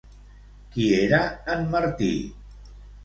Qui era en Martí?